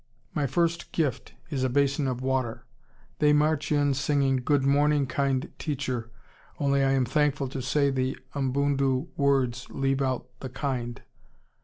My first "gift" is a basin of water. They march in singing "Good morning, kind teacher" (only I am thankful to say the Umbundu words leave out the "kind").